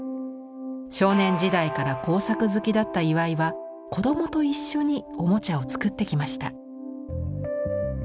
少年時代から工作好きだった岩井は子どもと一緒におもちゃを作ってきました。